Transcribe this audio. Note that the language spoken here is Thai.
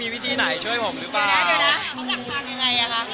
อยากได้แบบไหนคะอยากขอเป็นแฟนค่ะ